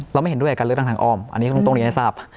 เราไม่เห็นด้วยการเลือกทางทางอ้อมอันนี้ต้องเรียนให้ทราบ